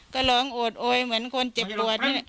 ก็ร้องโอดโอยเหมือนคนเจ็บปวดนี่